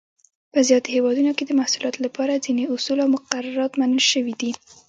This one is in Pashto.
په زیاتو هېوادونو کې د محصولاتو لپاره ځینې اصول او مقررات منل شوي دي.